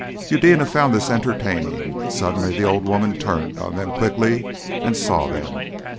Eudena found this entertaining, but suddenly the old woman turned on them quickly and saw them.